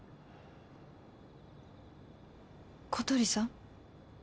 小鳥さん？